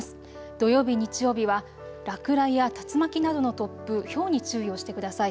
土曜日、日曜日は落雷や竜巻などの突風、ひょうに注意をしてください。